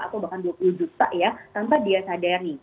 atau bahkan dua puluh juta ya tanpa dia sadari